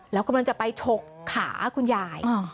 แล้วกำลังจะไปฉกขาคุณยาย